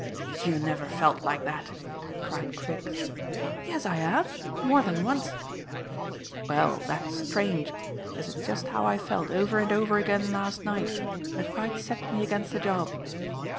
"You never felt like that?" cried Griggs. "Yes, I have, more than once." "Well, that's strange, because it's just how I felt over and over again last night, and it quite set me against the job."